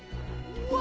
うわ！